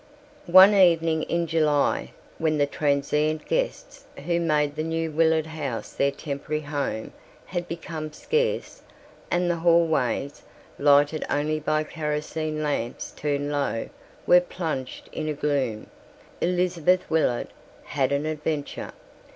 One evening in July, when the transient guests who made the New Willard House their temporary home had become scarce, and the hallways, lighted only by kerosene lamps turned low, were plunged in gloom, Elizabeth Willard had an adventure.